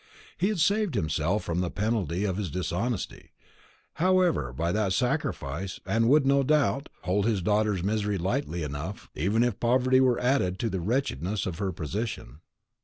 He had saved himself from the penalty of his dishonesty, however, by that sacrifice; and would, no doubt, hold his daughter's misery lightly enough, even if poverty were added to the wretchedness of her position.